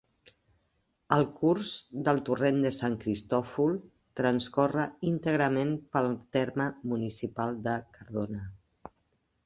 El curs del Torrent de Sant Cristòfol transcorre íntegrament pel terme municipal de Cardona.